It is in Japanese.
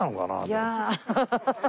いやハハハ！